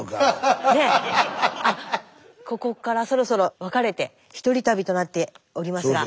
ここからそろそろ分かれて１人旅となっておりますが。